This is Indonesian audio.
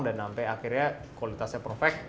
sampai akhirnya kualitasnya perfect